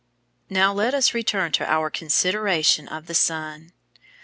§ 3 Now let us return to our consideration of the sun.